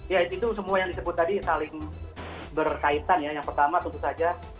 ya itu semua yang disebut tadi saling berkaitan ya yang pertama tentu saja